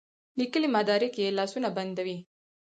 لیکلي مدارک یې لاسونه بندوي.